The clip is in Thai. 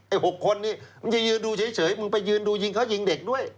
๖คนนี้มึงจะยืนดูเฉยมึงไปยืนดูยิงเขายิงเด็กด้วย